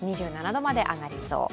２７度まで上がりそう。